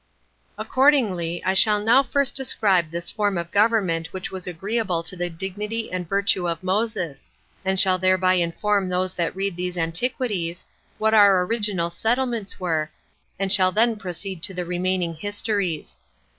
4. Accordingly, I shall now first describe this form of government which was agreeable to the dignity and virtue of Moses; and shall thereby inform those that read these Antiquities, what our original settlements were, and shall then proceed to the remaining histories.